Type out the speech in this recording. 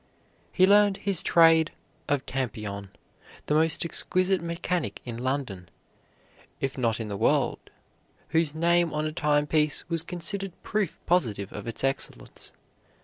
He learned his trade of Tampion, the most exquisite mechanic in London, if not in the world, whose name on a timepiece was considered proof positive of its excellence.